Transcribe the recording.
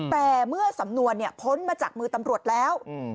แต่เมื่อสำนวนพ้นมาจากมือตำรวจแล้ว